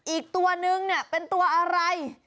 อีกตัวนึงเป็นตัวอะไร